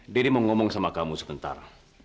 deddy mau ngomong sama kamu sebentar